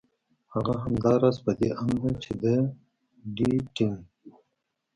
هغه همدا راز په دې اند ده چې د ډېټېنګ